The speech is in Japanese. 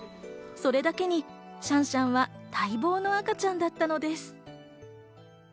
それだけに、シャンシャンは待望の赤ちゃんだったのです。